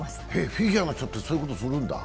フィギュアの人ってそういうことするんだ？